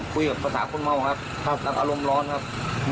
คุยกับสองคนเมาครับรับอารมณ์ร้อนครับ